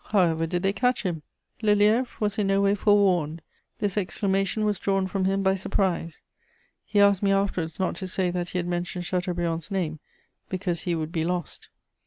However did they catch him?' "Lelièvre was in no way forewarned. This exclamation was drawn from him by surprise. He asked me afterwards not to say that he had mentioned Chateaubriand's name, because he would be lost.